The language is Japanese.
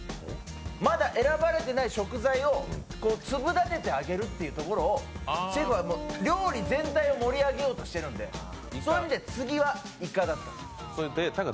まだ選ばれてない食材を粒立ててあげるっていう、シェフは料理全体を盛り上げようとしているんですよということで、次がイカだったんですよ。